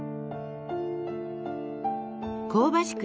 香ばしく